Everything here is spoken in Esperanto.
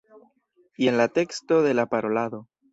Jen la teksto de la parolado.